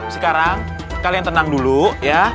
sekarang kalian tenang dulu ya